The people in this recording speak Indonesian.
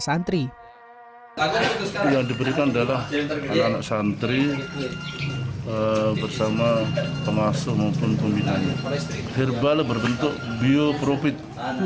santri yang diberikan adalah anak anak santri bersama pemasuk maupun pembinanya herbal berbentuk biopropit